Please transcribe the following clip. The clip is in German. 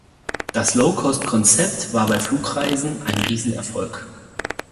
Das Low-Cost-Konzept war bei Flugreisen ein Riesenerfolg.